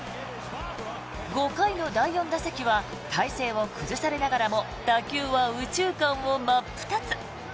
５回の第４打席は体勢を崩されながらも打球は右中間を真っ二つ。